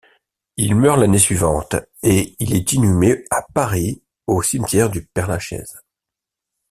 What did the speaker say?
Il meurt l'année suivante et il est inhumé à Paris au cimetière du Père-Lachaise.